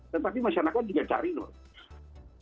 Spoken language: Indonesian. tetapi masyarakat juga cari loh